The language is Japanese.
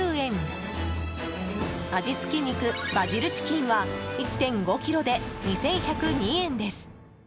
味付き肉、バジルチキンは１．５ｋｇで２１０２円です。